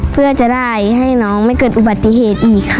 เพื่อจะได้ให้น้องไม่เกิดอุบัติเหตุอีกค่ะ